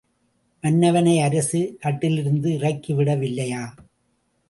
மன்னவனை அரசு கட்டிலிலிருந்து இறக்கிவிட வில்லையா?